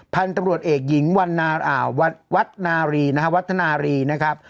พันธุ์ตำรวจเอกหญิงวัฒนารีนะครับ